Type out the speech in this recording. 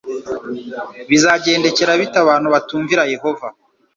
bizagendekera bite abantu batumvira yehova